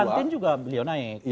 di banten juga beliau naik